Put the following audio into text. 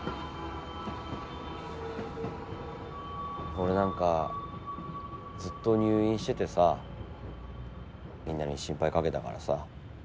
俺なんかずっと入院しててさみんなに心配かけたからさ